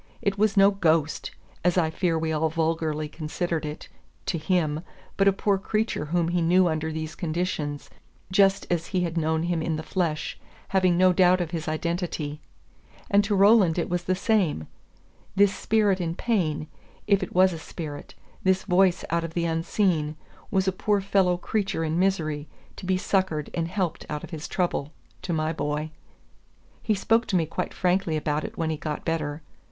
It was no "ghost," as I fear we all vulgarly considered it, to him, but a poor creature whom he knew under these conditions, just as he had known him in the flesh, having no doubt of his identity. And to Roland it was the same. This spirit in pain, if it was a spirit, this voice out of the unseen, was a poor fellow creature in misery, to be succored and helped out of his trouble, to my boy. He spoke to me quite frankly about it when he got better.